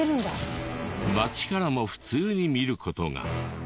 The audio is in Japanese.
町からも普通に見る事が。